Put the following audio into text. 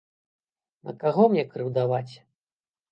На каго мне крыўдаваць.